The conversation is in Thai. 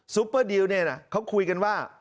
ซุปเปอร์ดีลเขาคุยกันว่า